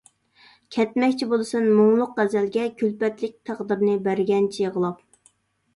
كەتمەكچى بولىسەن مۇڭلۇق غەزەلگە، كۈلپەتلىك تەقدىرنى بەرگەنچە يىغلاپ.